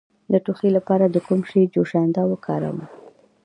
د ټوخي لپاره د کوم شي جوشانده وکاروم؟